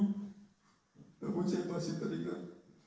namun saya masih terikat